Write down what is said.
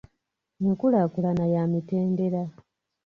Enkulaakulana ya mitendera.